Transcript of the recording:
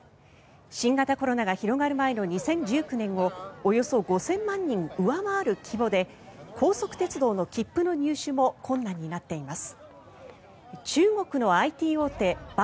新型コロナが広がる前の２０１９年をおよそ５０００万人上回る規模で高速鉄道の切符の入手も困難になっています。